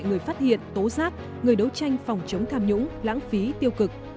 người phát hiện tố giác người đấu tranh phòng chống tham nhũng lãng phí tiêu cực